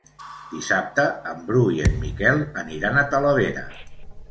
Dissabte en Bru i en Miquel aniran a Talavera.